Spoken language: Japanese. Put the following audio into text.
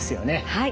はい。